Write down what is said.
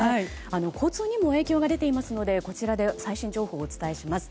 交通にも影響が出ていますので最新情報をお伝えします。